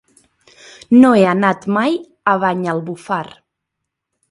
No he anat mai a Banyalbufar.